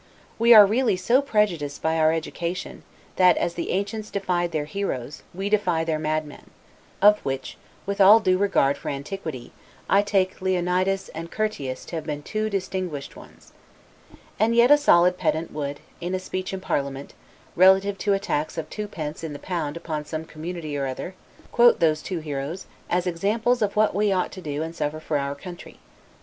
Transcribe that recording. We are really so prejudiced by our education, that, as the ancients deified their heroes, we deify their madmen; of which, with all due regard for antiquity, I take Leonidas and Curtius to have been two distinguished ones. And yet a solid pedant would, in a speech in parliament, relative to a tax of two pence in the pound upon some community or other, quote those two heroes, as examples of what we ought to do and suffer for our country.